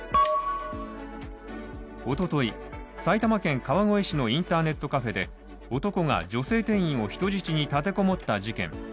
一昨日、埼玉県川越市のインターネットカフェで男が女性店員を人質に立てこもった事件。